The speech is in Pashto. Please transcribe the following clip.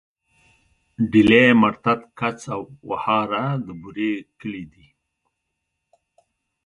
ډيلی، مرتت، کڅ او وهاره د بوري کلي دي.